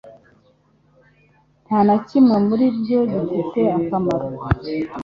nta na kimwe muri ibyo gifite akamaro